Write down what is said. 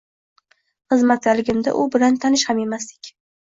Xizmatdaligimda u bilan tanish ham emasdik